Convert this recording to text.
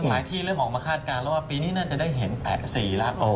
ที่เริ่มออกมาคาดการณ์แล้วว่าปีนี้น่าจะได้เห็นแตะสีแล้ว